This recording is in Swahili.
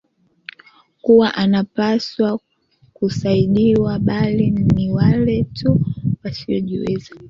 kuwa anapaswa kusaidiwa bali ni wale tu wasiojiweza